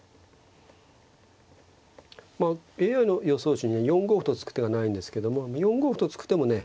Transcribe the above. まあＡＩの予想手には４五歩と突く手がないんですけども４五歩と突く手もね